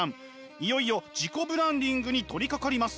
いよいよ自己ブランディングに取りかかります。